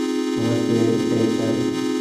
আমার তো এটাই চাই।